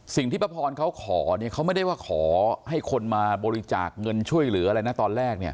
สิ่งที่ป้าพรเขาขอเขาไม่ได้ว่าขอให้คนมาบริจาคเงินช่วยเหลืออะไรนะตอนแรก